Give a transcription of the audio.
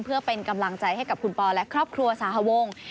เพื่อเป็นกำลังใจให้กับคุณปอและครอบครัวสหวง